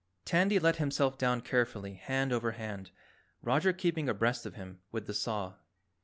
Tandy let himself down carefully hand over hand, Roger keeping abreast of him with the saw.